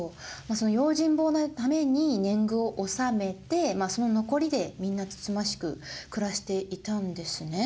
用心棒代のために年貢を納めてその残りでみんなつつましく暮らしていたんですね。